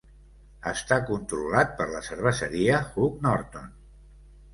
Està controlat per la cerveseria Hook Norton.